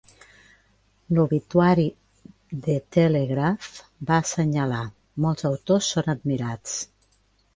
L'obituari "The Telegraph" va assenyalar: molts autors són admirats.